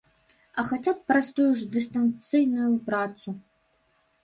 А хаця б праз тую ж дыстанцыйную працу!